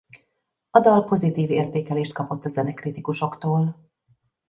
A dal pozitív értékelést kapott a zenekritikusoktól.